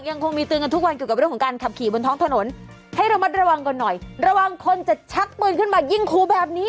ให้เร็วมาระวังน่ะระวังคนจะชักปืนขึ้นมายิงคู่แบบนี้